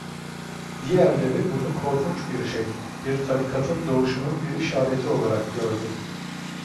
Diğerleri bunu korkunç bir şey, bir tarikatın doğuşunun bir işareti olarak gördü.